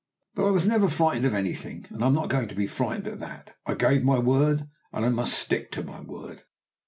But I was never frightened at any thing, and I am not going to be frightened at that. I gave my word, and I must stick to my word."